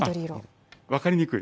分かりにくい？